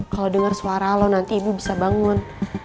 kalo denger suara lo nanti ibu bisa bangun